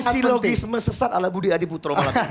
ini silogisme sesat ala budi adibutro malam